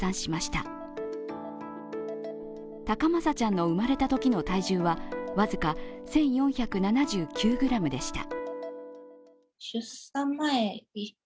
たかまさちゃんの生まれたときの体重は僅か１４７９ｇでした。